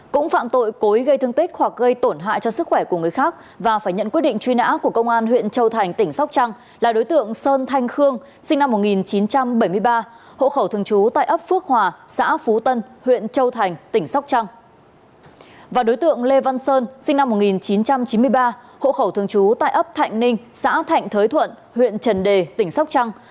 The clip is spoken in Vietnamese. cũng phạm tội cố ý gây thương tích hoặc gây tổn hại cho sức khỏe của người khác và phải nhận quyết định truy nã của công an huyện châu thành tỉnh sóc trăng là đối tượng sơn thanh khương sinh năm một nghìn chín trăm bảy mươi ba hộ khẩu thường trú tại ấp phước hòa xã phú tân huyện châu thành tỉnh sóc trăng